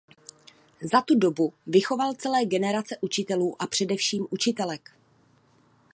Za tu dobu vychoval celé generace učitelů a především učitelek.